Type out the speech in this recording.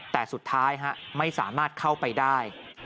แต่สุดท้ายไม่สามารถเข้าไปได้